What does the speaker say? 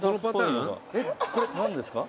「これなんですか？」